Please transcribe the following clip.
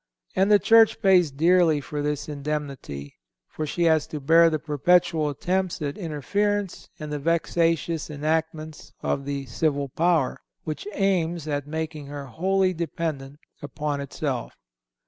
And the Church pays dearly for this indemnity, for she has to bear the perpetual attempts at interference and the vexatious enactments of the civil power, which aims at making her wholly dependent upon itself.